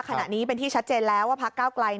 ขณะนี้เป็นที่ชัดเจนแล้วว่าพักเก้าไกล